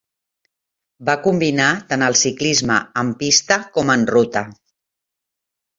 Va combinar tant el ciclisme en pista com en ruta.